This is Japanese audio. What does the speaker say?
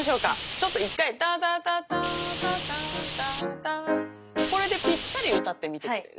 ちょっと１回タタタタタタタタこれでぴったり歌ってみてくれる？